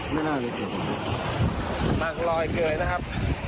มักลอยเกยนะครับ